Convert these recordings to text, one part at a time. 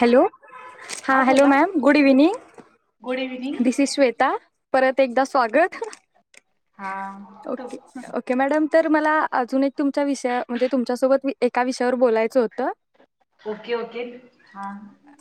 Hello, हा हां hello बोला ma'am good evening good evening this is Shweta परत एकदा स्वागत हा त ओके ओके मॅडम तर तुम्हाला अजून एक तुमच्या विषया म्हणजे तुमच्यासोबत एका विषयावर बोलायचं होतं. ओके ओके हा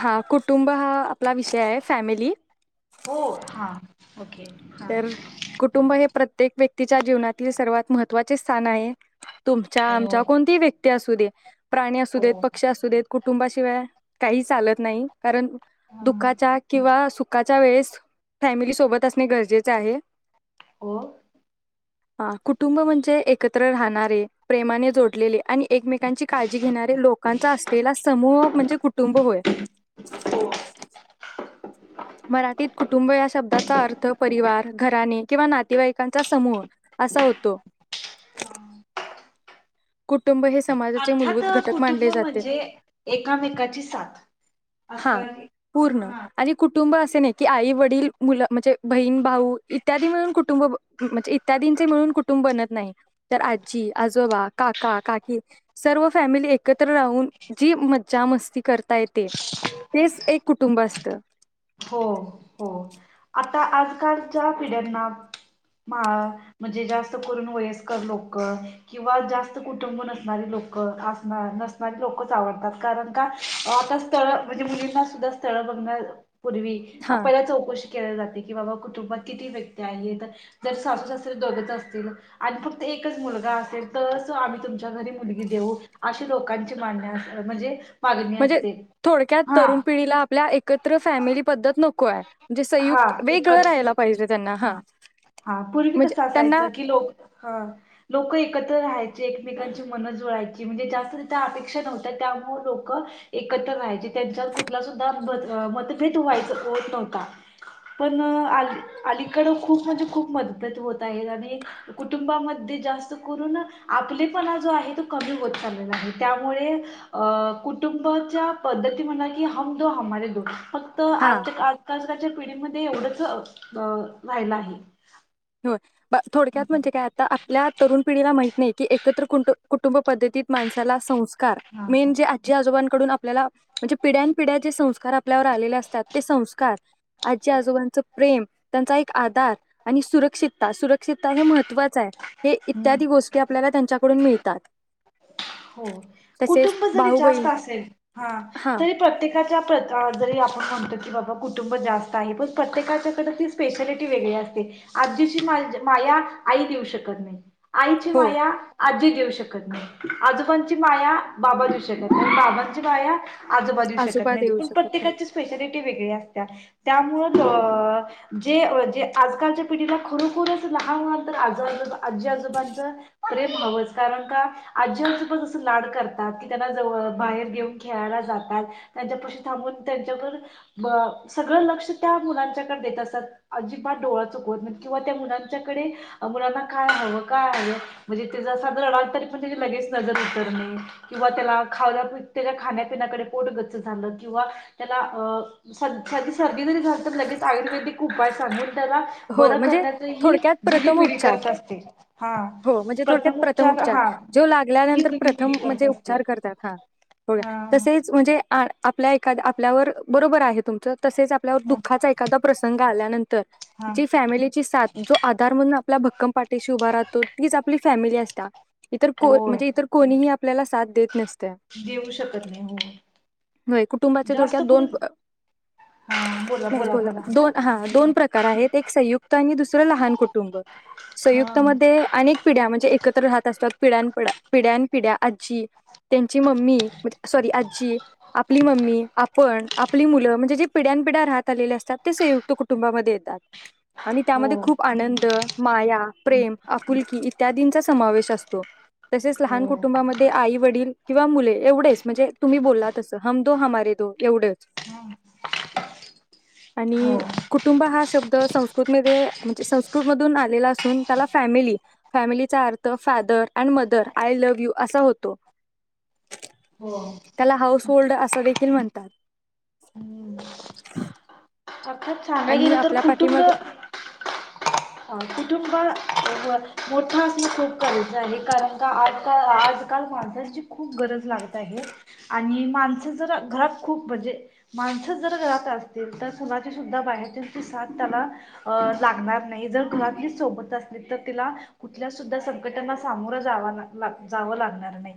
हा कुटुंब हा आपला विषय आहे फॅमिली हो हा ओके हा तर कुटुंब हे प्रत्येक व्य क्तिच्या जीवनातील सर्वात महत्त्वाचे स्थान आहे. तुमच्या हो आमच्या कोणती व्यक्ती असू दे, प्राणी असू हो देत पक्षी असू देत कुटुंबाशिवाय काही चालत नाही, कारण हा दुःखाच्या किंवा सुखाच्या वेळेस फॅमिली सोबत अस ने गरजेच आहे. हो ह कुटुंब म्हणजे एकत्र राहणारे, प्रेमाने जोडलेले आणि एकमेकांची काळजी घेणारे लोकांचा असलेला समूह म्हणजे कुटुंब होय. हो मराठीत कुटुंब या शब्दाचा अर्थ परिवार, घराने किंवा नातेवाईकांचा समूह असा होतो. [unintelligible] कुटुंब हे समाजाचे मूलभूत अर्थात घटक कुटुंब माडले जाते, म्हणजे एकामेकाची साथ हा असणारी पूर्ण हा आणि कुटुंब असे नाही. की आई - वडील, मुलं म्हणजे बहीण -भाऊ इत्यादी मिळून कुटुंब म्हणजे इत्यादींचे मिळून कुटुंब बनत नाही तर आजी -आजोबा, काक का -काकी सर्व फॅमिली एकत्र राहून, जी मज्जा -मस्ती करता येते तेच एक कुटुंब असत. हो हो आता आजकालच्या पिढ्यांना म्हणजे जास्त करून वयस्कर लोक किंवा जास्त कुटुंब नसणारी लोक असणार नसणारी लोकच आवडतात, कारण का आता स्थळ म्हणजे मुलींना सुद्धा स्थळ बघण्या पूर्वी हा आपल्याला चौकशी केली जाते की बाबा कुटुंबात किती व्यक्ती आहेत जर सासु -सासरे दोघचं असतील आणि फक्त एकच मुलगा असेल तरच आम्ही तुमच्या घरी मुलगी देऊ, अशी लोकांची मान्य म्हणजे मागणी म्हणजे असते थोडक्यात हा तरुण पिढीला आपल्या एक् कत्र फॅमिली पद्धत नको आहे म्हणजे हा संयुक्त वेगळं एकत्र राहायला पाहिजे त्यांना हा हा पूर्वी म्हणजे कसं त्यांना असायचं की लोक हा लोक एकत्र राहाय एकमेकांची मन जुळायची म्हणजे जास्त तिथे अपेक्षा नव्हत्या, त्यामुळे लोक एकत्र राहायचे त्यांच्यावर कुठला सुद्धा मतभेद व्हायचं होत नव्हता पण आली अलीकड खूप म्हणजे खूप मदभेद होत आहेत आणि कुटुंबामध्ये जास्त करून आपलेपणा जो आहे तो कमी होत चाललेला आहे. त्यामुळे अ कुटुंबाच्या पद्धती म्हणा कि हम दो हमारे दो फक्त हा आज आजकालच्या पिढीमध्ये एवढंच राहिलं आहे. होय. थोडक्यात म्हणजे काय आता आपल्या तरुण पिढीला माहीत नाहीये कि एकत्र कु कुटुंब पद्धतीत माणसाला संस् कार हा मेन हा जे आजी आजोबान कडून आपल्याला म्हणजे पिढ्यानं पिढ्या जे संस्कार आपल्यावर आलेले असतात ते संस्कार, आजी आजोबांच प्रेम, त्यांचा एक आधार आणि सुर सुरक्षितता, सुरक्षितता हे महत त्वचं आहे. हे हम्म. इत्यादी गोष्टी आपल्याला त्यांच्याकडून मिळतात. हो. तसेच कुटुंब जरी भाऊ जास्त बहीण असेल हा, तरी प्रत्येकाच्या जरी आपण म्हणतो की बाबा कुटुंब जास्त आहे. पण प्रत्येकाच्याकडे ती स्पेशालिटी वेगळी असते. आजीशी मा माया आई देऊ शकत नाही. आईची हो माया आजी देऊ शकत नाही. आजोबांची माया बाबा देऊ शकत नाहीत. बाबांची माया आजोबा देऊ शकत नाहीत. देऊ पण शकत नाही प्रत्येकाची स्पेशलि वेगळी असत्यां. त्यामुळं अ जे जे आजकालच्या पिढीला खरोखरचं लहान-लहान तर आजज आजी आजोबांचं प्रेम हवंच. कारण का? आजी आजोबा कसं लाड करतात, कि त्यांना जवळ, बाहेर घेऊन खेळायला जातात. त्यांच्या पशी थांबून त्यांच्या वर म सगळं लक्ष त्या मुलांच्याकडं देत असततात. अजिबात डोळा चुकवत नाईत किंवा त्या मुलांच्याकडे मुलांना काय हवं, काय हवं म्हणजे ते साधं रडालं तरी म्हणजे की लगेच नजर उतरणे किंवा त्याला खाऊला त्याच्या खाण्या पिण्याकडे, पोट गच्च झालं किंवा त्याला अ सं साधी सर्दी जरी झाली लगेच आयुर्वेदिक उपाय सांगून त्याला हो बरं म्हणजे करण्याचं ही थोडक्यात जुनी प्रथम पिढी उपचार करत असते. हां हो म्हणजे थोडक्यात प्रथम उपचार हा जो लागल्यानंतर खिचडी प्रथम करत म्हणजे असते. उपचार करतात. हा होय. हा तसेच म्हणजे आण आपल्या एखाद्य आपल्यावर बरोबर आहे तुमचं. तसेच आपल्यावर हा दुःखाचा एखादा प्रसंग आल्यानंतर हा जी फॅमिली ची साथ, जो आधार म्हणून आपल्या भक्कम पाठीशी उभा राहतो तीच आपली फॅमिली असत्यां इतर कोन होय म्हणजे इतर कोणीही आप आपल्याला साथ देत नसं देऊ शकत नाही. होय हो कुटुंबाचे जास्त थोडक्यात दोन करून हा बोला नाही बोला बोला हा दोन दोन प्रकार आहेत एक संयुक्त आणि दुसरं लहान कुटुंब. हा संयुक्तमध्ये अनेक पिढ्या म्हणजे एकत्र राहत असतात पिढ्यानं-पिढ्या-पिढ्यान- पिढ्या. आजी, त्यांची मम्मी म्हणजे सॉरी आजी आपली मम्मी, आपण, आपली मुलं म्हणजे जे पिढ्यानं पिढ्या राहत आलेले असतात ते संयुक्त कुटुंबामध्ये येतात. आणि हो त्यामध्ये खूप आनंद, माया, प्रेम, आपुलकी इत्यादींचा समावेश असतो. तसेच लहान हो कुटुंबामध्ये आई-वडील किंवा मुले एवढेचं म्हणजे तुम्ही बोलला तसं, हम दो हमारे दो एवढंच हा हो आणि कुटुंब हा शब्द संस्कृत मध्ये म्हणजे संस्कृत मधून आलेला असून त्याला फॅमिली, फॅमिलीचा अर्थ father and mother, I love you असा होतो. हो. त्याला हाऊस होल्ड असं देखील म्हणतात. अर्थात सांगाय आणि गेलं तर आपल्या पाठी कुटुंब मग अ कुटुंब मोठ असण खूप गरजेच आहे कारण का आजकाल आजकाल माणसाची खूप गरज लागत आहे आणि माणसं जर घरात खूप म्हणजे माणस जर घरात असतील कोणाचीच आता बाहेरच्यांची साथ त्याला अ लागणार नाही जर घरातली सोबत असली तर तिला कुठल्या सुद्धा संकटांना सामोरं जावा जावं लागणार नाही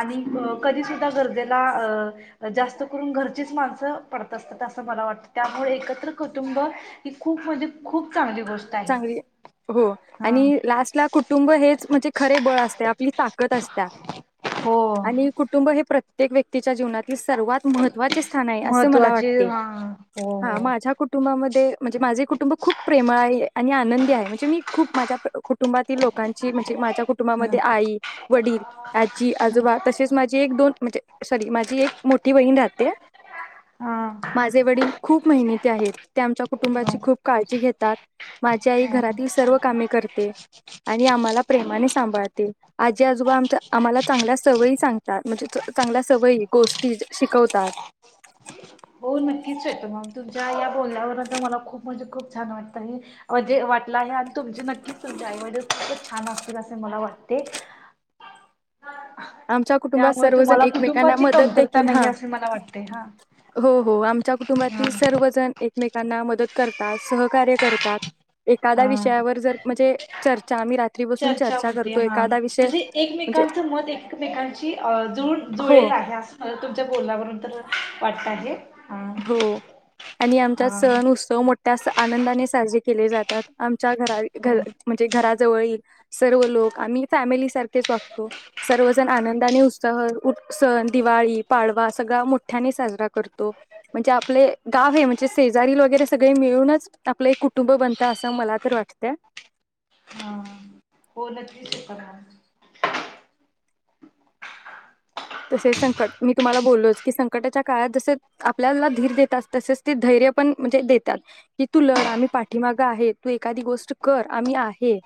आणि कधी सुद्धा गरजेला अ जास्त करून घरचीच माणसं पडत असतात असं मला वाटत त्या मुळे एकत्र कुटुंब ही खूप म्हणजे खूप चांगली गोष्ट आहे चांगली हो हा आणि लास्टला कुटुंब हेच म्हणजे खरे बळ असते आपली ताकद असत हो आणि कुटुंब हे प्रत्य तेक व्यक्ती च्या जीवनातील सर्वात महत्वाचे स्थान आहे अस मला महत्त्वाची वाटते हा हो हा हो. माझ्या कुटुंबामध्ये म्हणजे माझे कुटुंब खूप प्रेमळ आहे आणि आनंदी आहे म्हणजे मी खूप माझ्या कुटुंबातील लो लोकांची म्हणजे माझ्या हा. कुटुंबामध्ये आई वडील आजी आजोबा तसेच माझी एक दोन म्हणजे सॉरी माझी एक मोठी बहीण राहत हा माझे वडील खूप मेनती आहेत ते आमच्या कुटुंबाची हा. खूप काळजी घेत त्यात माझी आई घरातील सर्व कामे करते, आणि आम्हाला प्रेमाने सांभाळतील, आजी आजोबा आमच्या आम्हाला चांगल्या सवयी सांगतात म्हणजे च चांगल्या सवयी गोष्टी शिकवतात नक्कीचे तुमं तूमच्या एवा बोलण्यावरून त मला खूप म्हणजे खूप छान वाटतंय अं जे वाट ला आहे आणि तुमचे नक्कीच तुमचे आई वडील खूपच छा छान असतील असे मला वाटते आमच्या कुटुंबात त्यामुळे सर्वजण तुम्हाला एकमेकांना कुटुंबाची मदत कमतरता देखील नाही हां असे मला वाटते हा. हो-हो आम्ही च्या हा. कुटुंबातील सर्वजण एकमेकांना मदत करता सहकार्य करतात एखाद्या हा विषयावर जर म्हणजे चर्चा आम्ही रात्री बसून चर्चा होते करतो हा. एखादा विषय म्हणजे एकमेकांची अ जुळ हो जुळेल आहे असं तुमच्या बोलण्यावरून तर वाट्ता हे हो, आणि आमचा सण उत्सव मोठ्ठा असं आनंदाने साजरे केले जातात च्या घराळी घ हो म्हणजे घरात जवळील सर्व लोक आम्ही फॅमिली सारखेच वागतो, सर्वजण आनंदाने उत्साह उत् सण दिवाळी पाडवा सगळा मोठ्याने साजरा करतो म्हणजे आपले गाव हे म्हणजे शेजारील वगैरे सगळे मिळूनच आपलं एक कुटुंब बनतं असं मला तर वाटतं हो नक्कीच खरं तसे संकट, मी तुम्हाला बोललोच की संकटाच्या काळात जसं आपल्याला धीर देतात तसेच ते धैर्य पण म्हणजे देतात की तू लढ आम्ही पाठीमागं आहे तू एखादी गोष्ट कर आम्ही आहे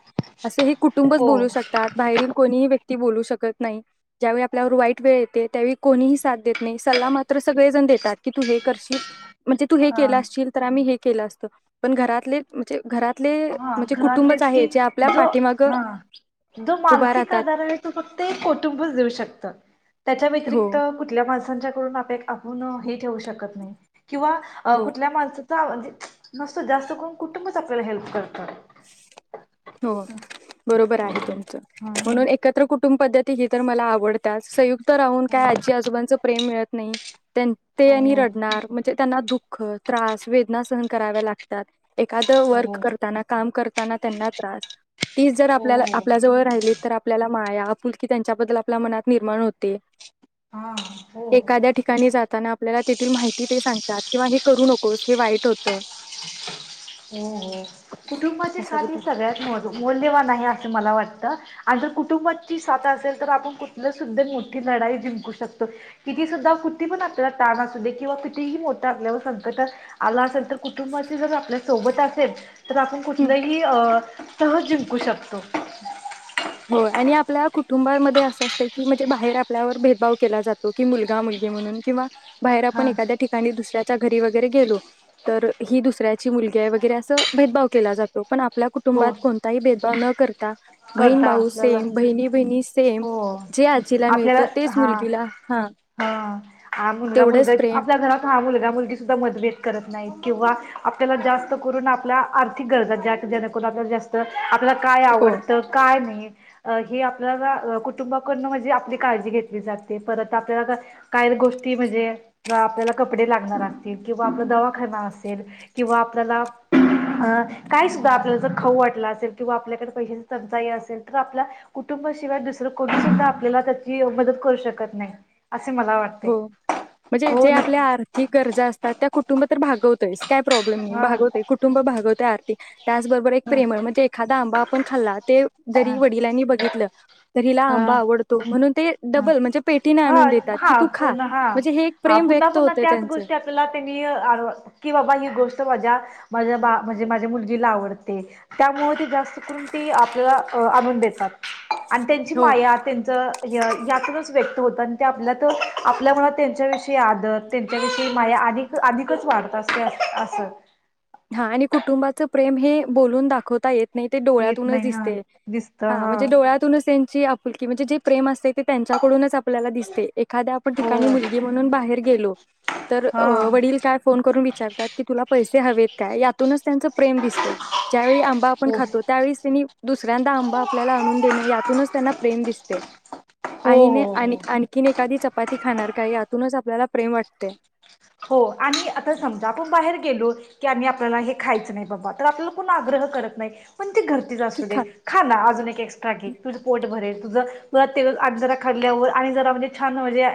असं हे कुटुंबच हो बोलू शकतात बाहेरील कोणीही व्यक्ती बोलू शकत नाही, ज्यावेळी आपल्यावर वाईट वेळ येते त्यावेळी कोणीही साथ देत नाही सल्ला मात्र सगळे जण देतात की तू हे करशील म्हणजे तू हे हा के असशील तर आम्ही हे केलं असत पण घरातले म्हणजे घरातले म्हणजे घरातले कुटुंबच आहे की जे आपल्या जो पाठीमाग हं जो उभा मानसिक राहतात आधार आहे तो फक्त एक कुटुंबच देऊ शकतं त्याच्या हो व्यतिरिक्त कुठल्या मज् संच्याकडून अपेक हून ही ठेवू शकत नाही. किंवा अ हो कुठल्या माणसा का म्हणजे, नुस्तं जास्त करून कुटुंबच आपल्याला हेल्प करतं. हो, बरोबर आहे तुमचं, हा म्हणून एकत्र कुटुंब पद्धती ही तर मला आवडताच, संयुक्त राहून काय आजी आजोबांच प्रेम मिळत नाही, तेन ते आणि हो हो रडणार म्हणजे त्यांना दुःख, त्रास, वेदना सहन कराव्या लागतात, एखादं वर्क हो करताना, काम करताना त्यांना त्रास, तीच जर हो आपल्याला हो आपल्या जवळ राहिली तर आपल्याला माया, आपुलकी त्यांच्याबद्दल आपल्या मनात निर्माण होते. हा हो एखाद्या ठिकाणी जाताना आपल्याला तेथील माहिती ते सांगतात किंवा हे करू नकोस हे वाईट होतं. माझे खाती अशाबद्दल सगळ्यात मोज मौल्यवान आहे असं मला वाटतं. आ आन जर कुटुंबाची साथ असेल तर आपण कुठलं सुद्धा मोठी लढाई जिंकू शकतो, किती सुद्धा कुठ्ती पण आपल्याला ताण असू दे किंवा कितीही मोठा आपल्यावर संकट आला असेल तर कुटुंबाची जर आपल्या सोबत असेल तर आपण कु [unintelligible] अ सहज जिंकू शकतो. होय, आणि आपल्या कुटुंबामध्ये असं असतंय की म्हणजे बाहेर आपल्यावर भेदभाव केला जातो की मुलगा-मुलगी म्हणून किंवा बाहेर आपण हा एखाद्या ठिकाणी दुसऱ्या च्या घरी वगैरे गेलो, तर ही दुसऱ्याची मुलगी आहे वगैरे असं भेदभाव केला जातो. पण आपल्या कुटुबात हो कोणताही भेद न करता, बहीण करता भाऊ आपल्याला सेम बहिणी बहिणी सेम हो जे आजीला मिळतं आपल्याला तेच हा मुलगीला हा हा हा मुलगा -मुलगा तेवढंच प्रेम आपल्या घरात हा मुलगा -मुलगी सुद्धा मतभेद करत नाहीत किंवा आपल्याला जास्त करून आपल्या आर्थिक गरजा ज्या जेणेकरून आपल्या जास्त आपल्याला, काय हो आवडतं? काय नाही हे आपल्याला कुटुंबाकडन म्हणजे आपली काळजी घेतली जाते. परत आपल्याला आता काय गोष्टी म्हणजे आपल्याला कपडे लागणार असतील किंवा आपलं दवाखाना असेल किंवा आपल्याला अ काय सुद्धा आपल्याला जर खाऊ वाटला असेल किंवा आपल्याकडे पैसे, टंचाई असेल तर आपल्या कुटुंबाशिवाय दुसरं कोणी सुद्धा आपल्याला त्याची मदत करू शकत नाही. असे मला वाटते हो म्हणजे हो जे आपल्या नक्की आर्थिक गरजा असतात त्या कु कुटुंब तर भागवतययस. काय प्रॉब्लेम नाही, हा भागवतय कुटुंब भागवतय अर्थी ते त्याचबरोबर एक ह प्रेमळ ह म्हणजे एखादा आंबा आपण खाल्लात त्या, ते जरी वडिलांनी बघितलं, तर हिला ह आंबा आवडतो म्हणून ते ह डबल म्हणजे, पेटीने हा आणून देतात. हा की तू खा पुन हा म्हणजे हे एक हा प्रेम पुन्हा व्यक्त पुन्हा होतय त्याच त्यांचं गोष्टी आपल्याला तेनि आ की बाबा ही गोष्ट माझ्या, माझ्या बा म्हणजे माझ्या मुलगीला आवडते, त्यामुळे जास्त करून ती आपल्याला आणून देतात. आणि त्यांची हो माया त्यांच य यातूनच व्यक्त होतान आपल्या त आपल्या मनात त्यांच्याविषयी आदर त्यांच्याविषयी माया अधिक अधिकच वाढत असते अस असं. हा आणि कुटुंबाचं प्रेम हे बोलून दाखवता येत नाही, ते येत डोळ्यातूनच नाही हा दिसते. दिसत हा म्हणजे डोळ्यातूनच त्यांन ची आप आपुलकी म्हणजे जे प्रेम असतय, ते त्यांच्याकडूनच आपल्याला दिसतय. एखाद्या आपण हो ठिकाणी मुलगी म्हणून बाहेर गेलो. तर हा वडील काय फोन करून विचारतात की, तुला? पैसे हवेत. का यातूनच त्यांच प्रेम दिसतय. ज्यावेळी आंबा आपण हो खातो त्यावेळीस तेनी. दुसऱ्यांदा आंबा आपल्याला आणून देणं यातूनच त्यांना प्रेम दिसतय. हो आईने हो आन हो आणखीन एखादी चप चपाती खाणार का यातूनच आपल्याला प्रेम वाटते. हो आणि आता समजा आपण बाहेर गेलो. की आम्ही आपल्याला हे खायचं नाही बाबा तर आपल्याला कोण आग्रह करत नाही. पण ती घरचीच की असू खा देत, खाना अजून एक एक्स्ट्रा घे तुझं पोट भरेल. तु जरा वातीळ आणि जरा खाल्यावर, आणि जरा म्हणजे छान म्हणजे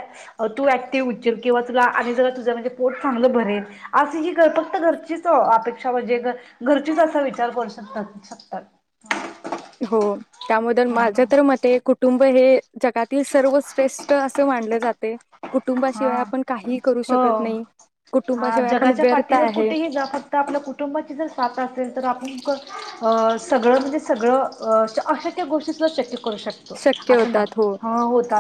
तू ऍक्टिव् व्हशिल किंवा तुला आणि जरा तूज तर पोट चांगलं भरेल अस, ही फक्त घरचीच अपेक्षा म्हणजे घरचीच असा विचार करू शकत शकतात. हो. त्यामधून माज्या हा तर मते कुटुंब हे जगात. ते सर्वश्रेष्ठ असं मानल जातय. हा कुटुंबाशिवाय आपण काही करू शकत हो नाही. हा कुटुंबाशिवाय आपण जगाच्या व्यर्थ पाठीवर आहे. कुठेही जा फक्त आपल्या कुटुंबाची जर साथ असेल तर आपण क अ सगळं म्हणजे सगळं अशक्य गोष्टी सुद्धा शक्य करू शकतो शक्य असं होतात मानतात. हो.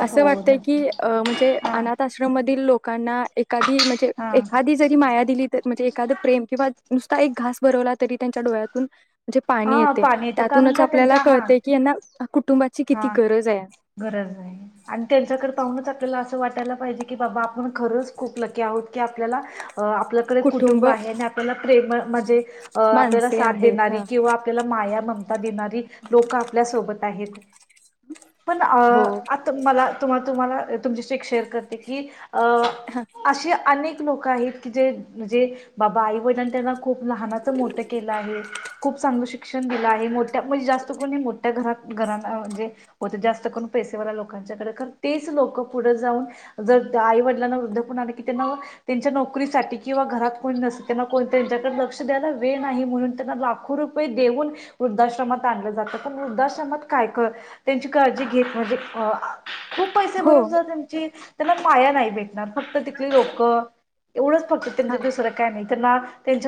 असं वाटतय की म्हणजे हा अनाथ आश्रमधील लोक. लोकांना एखादी म्हणजे हा एखादी जरी माया दिली, तर म्हणजे एखाद प्रेम किंवा नुसता एक घास भरवला त तरी त्यांच्या डोळ्यातून, म्हंजे पाणी हा येतय पाणी येतं कारण त्यातूनच का आपल्याला त्यांच्या हा कळते की, यांना कुटुंबाची किती हा गरज आहे. गरज आहे आणि त्यांच्याकडे पाहुूनच आपल्याला असं वाटायला पाहिजे, की बाबा आपण खरंच खूप लकी आहोत. कि आपल्याला अ आपल्याकडे कुटुंब आहे, आणि आपल्याला प्रेम म्हणजे अ आपल्याला माणसे साथ आहेत देणारी हा किंवा आपल्याला माया, ममता साथ देणारी लोक आपल्या सोबत आहेत, पण अ हो आता मला तुम्हा तुम्हाला तुमच्याशी एक शेर करते. की अ हा अशी अनेक लोक आहेत की जे म्हणजे बाबा आई वडिलांनी त्यांना खूप लहानाच मोठ केलं आहे. क्षण दिला आहे मो त्यामुळे जास्त कोणी मोठ्या घरात घराणं म्हणजे, हो जास्त जास्तकरून पैसेवाल्या लोकांच्याकड खर, तेच लोक पुढे जाऊन जर त्या आई वडिलांना वृद्धपन कि त्यांना त्यांच्या नोकरीसाठी किंवा घरात कोणी नसे त्यांना त्यांच्याकडे लक्ष द्यायला वेळ नाही म्हणून त्यांना लाखो रुपये देऊन वृद्धाश्रमात आणलं जातं. पण वृद्धाश्रमात काय कर त्यांची काळजी घेत म्हणजे अ खूप पैसे हो भरून जर त्यांची त्यांना माया नाही भेटणार. फक्त तिथली लोक, एवढंच फक्त त्यांच हा दुसरं काय नाही त्यांना त्यांच्या